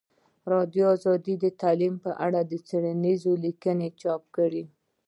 ازادي راډیو د تعلیم په اړه څېړنیزې لیکنې چاپ کړي.